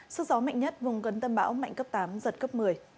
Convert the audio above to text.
sức gió mạnh nhất vùng gần tâm bão mạnh cấp tám giật cấp một mươi